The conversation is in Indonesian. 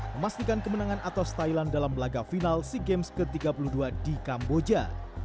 memastikan kemenangan atas thailand dalam laga final sea games ke tiga puluh dua di kamboja